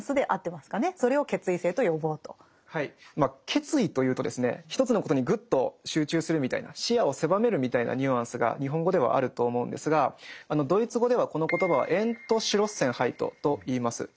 決意というとですね一つのことにグッと集中するみたいな視野を狭めるみたいなニュアンスが日本語ではあると思うんですがドイツ語ではこの言葉は「Ｅｎｔｓｃｈｌｏｓｓｅｎｈｅｉｔ」といいます。